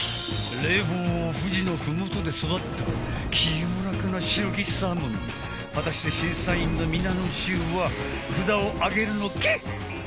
穃酳富士の麓で育った清らかな白きサーモン祺未燭靴審査員の皆の衆は札を上げるのけ？